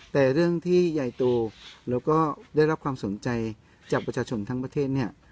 แต่เรื่องที่ใหญ่โตแล้วก็ได้รับความสนใจจากประชาชนทั้งประเทศเนี่ย